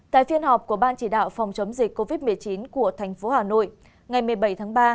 tại phiên họp của ban chỉ đạo phòng chống dịch covid một mươi chín của thành phố hà nội ngày một mươi bảy tháng ba